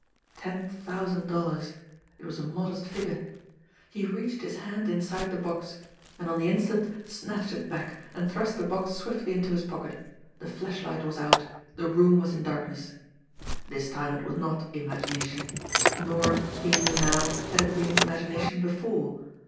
Ten thousand dollars! It was a modest figure! He reached his hand inside the box and on the instant snatched it back, and thrust the box swiftly into his pocket. The flashlight was out. The room was in darkness. This time it was not imagination nor, he knew now, had it been imagination before.